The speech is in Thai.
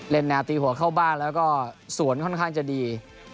แนวตีหัวเข้าบ้านแล้วก็สวนค่อนข้างจะดี